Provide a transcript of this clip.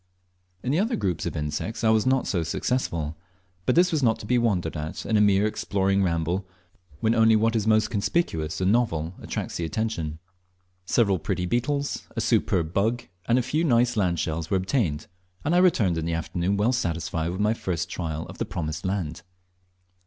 In the other groups of insects I was not so successful, but this was not to be wondered at in a mere exploring ramble, when only what is most conspicuous and novel attracts the attention. Several pretty beetles, a superb "bug," and a few nice land shells were obtained, and I returned in the afternoon well satisfied with my first trial of the promised land.